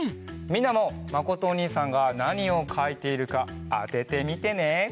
みんなもまことおにいさんがなにをかいているかあててみてね！